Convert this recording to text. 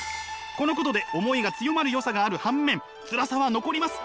このことで思いが強まるよさがある反面つらさは残ります。